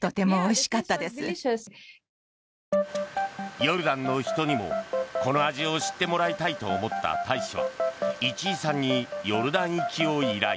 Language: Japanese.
ヨルダンの人にもこの味を知ってもらいたいと思った大使は市居さんにヨルダン行きを依頼。